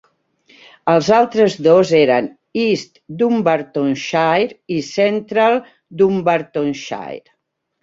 Els altres dos eren East Dunbartonshire i Central Dunbartonshire.